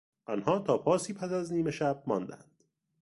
آنها تا پاسی پس از نیمه شب ماندند.